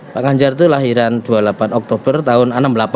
pak ganjar itu lahiran dua puluh delapan oktober tahun enam puluh delapan